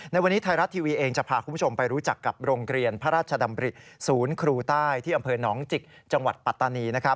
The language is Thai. ในวันนี้ไทยรัฐทีวีเองจะพาคุณผู้ชมไปรู้จักกับโรงเรียนพระราชดำริศูนย์ครูใต้ที่อำเภอหนองจิกจังหวัดปัตตานี